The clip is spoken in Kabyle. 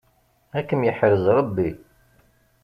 Ad kem-yeḥrez Ṛebbi.